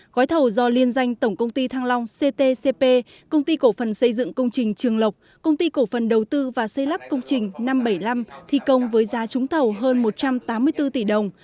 gói thầu do liên danh tổng công ty thăng long ctcp công ty cổ phần xây dựng công trình trường lộc công ty cổ phần đầu tư và xây lắp công trình năm trăm bảy mươi năm thi công với giá trúng thầu hơn một trăm tám mươi bốn tỷ đồng